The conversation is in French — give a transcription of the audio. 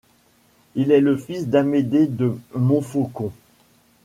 Il est le fils d'Amédée de Montfaucon.